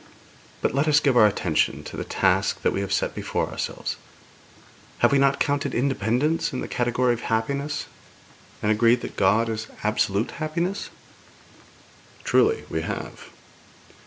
But let us give our attention to the task that we have set before ourselves. Have we not counted independence in the category of happiness, and agreed that God is absolute happiness?' 'Truly, we have.'